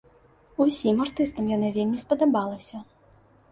Усім артыстам яна вельмі спадабалася.